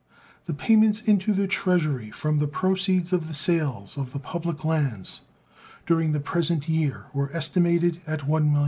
The payments into the Treasury from the proceeds of the sales of the public lands during the present year were estimated at $1,000,000.